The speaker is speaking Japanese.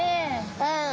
うん。